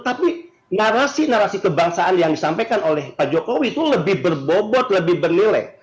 tapi narasi narasi kebangsaan yang disampaikan oleh pak jokowi itu lebih berbobot lebih bernilai